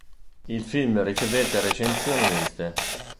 Il film ricevette recensioni miste.